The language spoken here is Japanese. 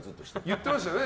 言ってましたよね。